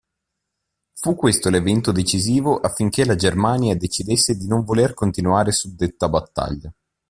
Fu questo l'evento decisivo affinché la Germania decidesse di non voler continuare suddetta battaglia.